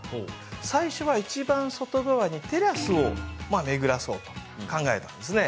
最初は一番外側にテラスを巡らそうと考えたんですね